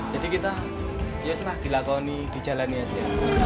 jadi kita yaudah lah dilakoni dijalani aja